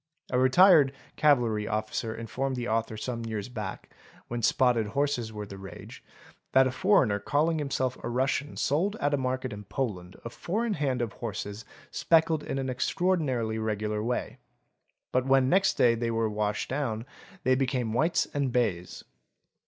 <A retired cavalry officer informed the author some years back, when spotted horses were the rage, that a foreigner calling himself a Russian sold at a market in Poland a four in hand of horses speckled in an extraordinarily regular way; but when next day they were washed down they became whites and bays!